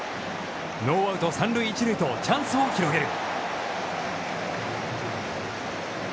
ノーアウト、三塁一塁とチャンスを広げる。